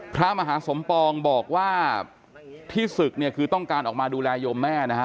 พระมหาสมปองบอกว่าที่ศึกเนี่ยคือต้องการออกมาดูแลโยมแม่นะฮะ